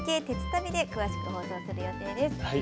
てつたび」で詳しく放送する予定です。